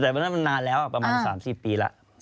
แต่วันนั้นมันนานแล้วประมาณ๓๐ปีแล้ว